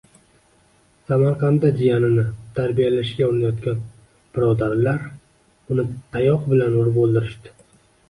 Samarqandda jiyanini "tarbiyalashga" urinayotgan birodarlar uni tayoq bilan urib o'ldirishdi